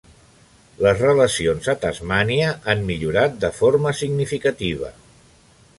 Les relacions a Tasmània han millorat de forma significativa.